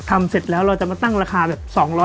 เสร็จแล้วเราจะมาตั้งราคาแบบ๒๐๐